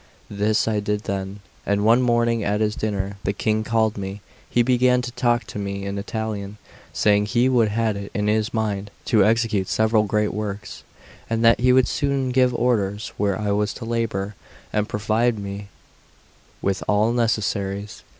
This I did then; and one morning, at his dinner, the King called me. He began to talk to me in Italian, saying he had it in his mind to execute several great works, and that he would soon give orders where I was to labour, and provide me with all necessaries.